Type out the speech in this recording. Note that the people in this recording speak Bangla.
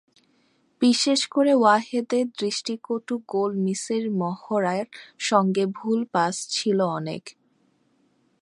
বিশেষ করে ওয়াহেদের দৃষ্টিকটু গোল মিসের মহড়ার সঙ্গে ভুল পাস ছিল অনেক।